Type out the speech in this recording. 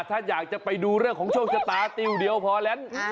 ถ้าอยากจะไปดูเรื่องของโชคชะตาติ้วเดียวพอแล้ว